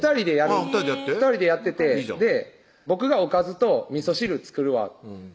２人でやってて僕が「おかずとみそ汁作るわ」